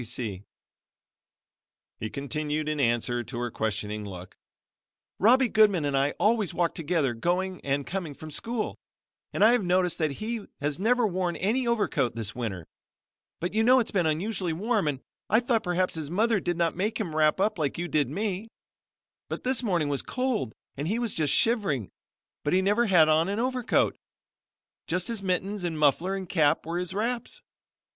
You see," he continued in answer to her questioning look, "Robbie Goodman and I always walk together going and coming from school, and I have noticed that he has never worn any overcoat this winter, but you know its been unusually warm and I thought perhaps his mother did not make him wrap up like you did me, but this morning it was so cold and he was just shivering, but he never had on any overcoat just his mittens and muffler and cap were his wraps.